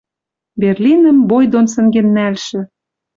Берлинӹм бой дон сӹнген нӓлшӹ